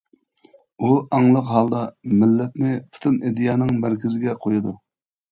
ئۇ ئاڭلىق ھالدا مىللەتنى پۈتۈن ئىدىيەنىڭ مەركىزىگە قويىدۇ.